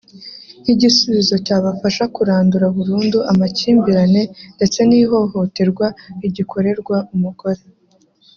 nk’igisubizo cyabafasha kurandura burundu amakimbirane ndetse n’ihohoterwa rigikorerwa umugore